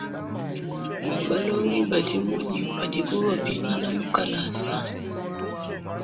Balongi badi munyi padibo bapingana mu kalasa?